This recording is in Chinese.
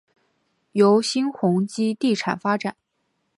由新鸿基地产发展。